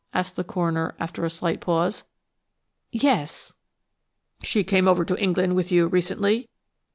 asked the coroner, after a slight pause. "Yes." "She came over to England with you recently?"